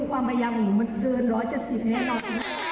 ความพยายามหนูมันเกิน๑๗๐แน่นอน